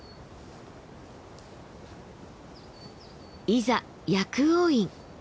いざ薬王院。